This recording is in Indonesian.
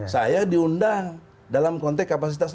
saya diundang dalam konteks kapasitas